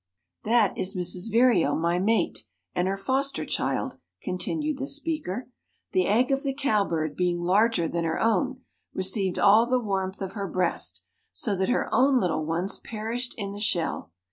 "That is Mrs. Vireo, my mate, and her foster child," continued the speaker. "The egg of the cowbird being larger than her own, received all the warmth of her breast, so that her own little ones perished in the shell.